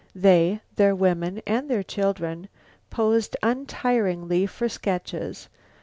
They, their women and their children, posed untiringly for sketches.